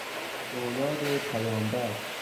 اولاد پیامبر